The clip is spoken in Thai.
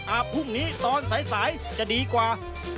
อาบพรุ่งนี้ตอนสายจะดีกว่า